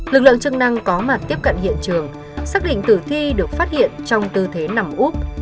lực lượng chức năng có mặt tiếp cận hiện trường xác định tử thi được phát hiện trong tư thế nằm úp